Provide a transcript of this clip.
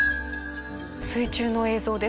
水中の映像です。